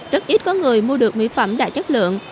rất ít có người mua được mỹ phẩm đạt chất lượng